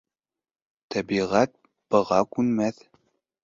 Тәбиғәт быға күнмәҫ.